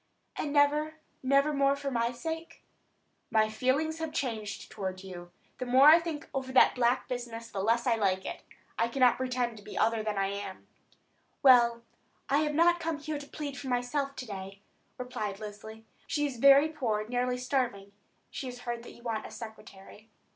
"And never, never more for my sake?" "My feelings have changed toward you. The more I think over that black business the less I like it. I cannot pretend to be other than I am." "Well, I have not come here to plead for myself to day," replied Leslie. "I want to help Annie Colchester. She is very poor, nearly starving; she has heard that you want a secretary."